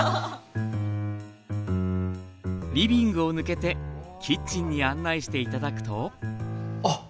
リビングを抜けてキッチンに案内して頂くとあ！